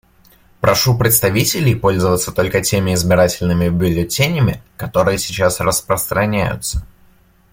Прошу представителей пользоваться только теми избирательными бюллетенями, которые сейчас распространяются.